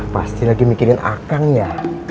pasti lagi mikirin akang ya